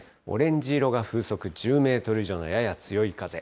オレンジ色が風速１０メートル以上のやや強い風。